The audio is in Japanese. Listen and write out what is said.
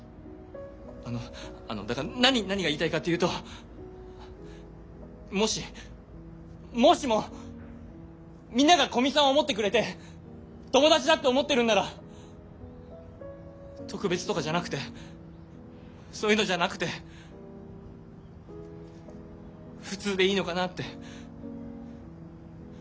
あのあのだから何何が言いたいかというともしもしもみんなが古見さんを思ってくれて友達だって思ってるんなら特別とかじゃなくてそういうのじゃなくて普通でいいのかなって。